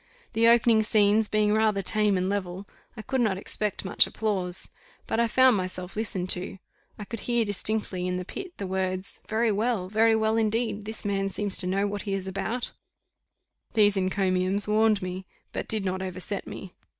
The opening scenes being rather tame and level, I could not expect much applause; but I found myself listened to: I could hear distinctly in the pit, the words 'Very well very well indeed! this man seems to know what he is about.' These encomiums warmed me, but did not overset me.